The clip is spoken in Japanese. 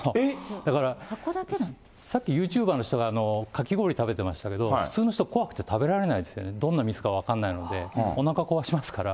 だからさっきユーチューバーの人がかき氷食べてましたけど、普通の人怖くて食べれないんですね、どんな水か分からないので、おなか壊しますから。